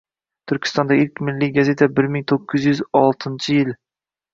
Turkistondagi ilk milliy gazeta bir ming to'qqiz yuz oltingchi yil